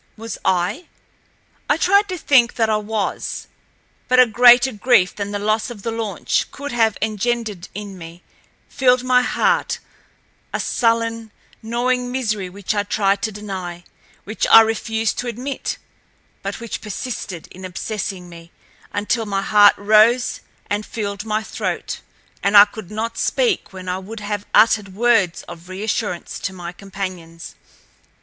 Was I? I tried to think that I was. But a greater grief than the loss of the launch could have engendered in me, filled my heart—a sullen, gnawing misery which I tried to deny—which I refused to admit—but which persisted in obsessing me until my heart rose and filled my throat, and I could not speak when I would have uttered words of reassurance to my companions.